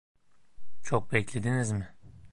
Çok beklediniz mi?